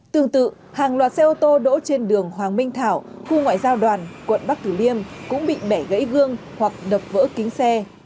tương tự hàng loạt xe ô tô đỗ trên đường hoàng minh thảo khu ngoại giao đoàn quận bắc tử liêm cũng bị bẻ gãy gương hoặc đập vỡ kính xe